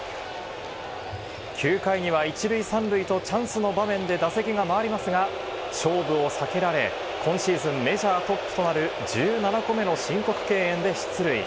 ９回には１塁３塁と、チャンスの場面で打席が回りますが、勝負を避けられ、今シーズン、メジャートップとなる１７個目の申告敬遠で出塁。